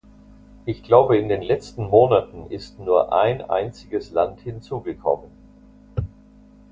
Ich glaube, in den letzten Monaten ist nur ein einziges Land hinzugekommen.